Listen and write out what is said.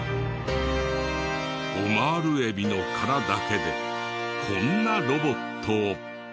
オマール海老の殻だけでこんなロボットを。